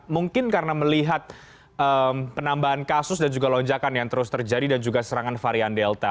mungkin karena melihat penambahan kasus dan juga lonjakan yang terus terjadi dan juga serangan varian delta